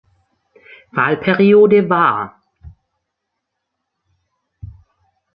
Wahlperiode war.